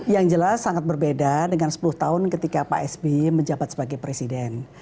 yang jelas sangat berbeda dengan sepuluh tahun ketika pak sby menjabat sebagai presiden